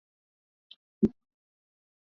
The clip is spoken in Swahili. Naweza kujibu.